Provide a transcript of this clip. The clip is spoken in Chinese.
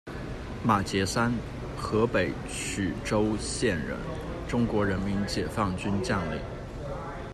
马杰三，河北曲周县人，中国人民解放军将领。